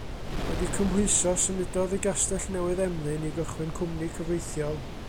Wedi cymhwyso symudodd i Gastellnewydd Emlyn i gychwyn cwmni cyfreithiol.